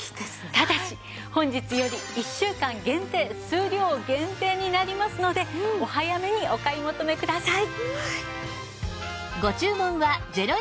ただし本日より１週間限定数量限定になりますのでお早めにお買い求めください。